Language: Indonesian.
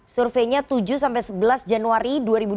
surveinya tujuh sebelas januari dua ribu dua puluh satu